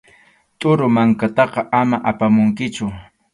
Qhuru mankataqa ama apamunkichu.